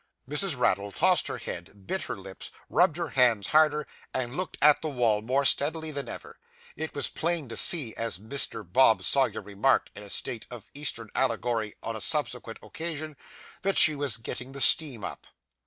Mrs. Raddle tossed her head, bit her lips, rubbed her hands harder, and looked at the wall more steadily than ever. It was plain to see, as Mr. Bob Sawyer remarked in a style of Eastern allegory on a subsequent occasion, that she was 'getting the steam up.